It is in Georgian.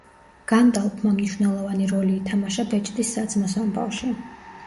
განდალფმა მნიშვნელოვანი როლი ითამაშა ბეჭდის საძმოს ამბავში.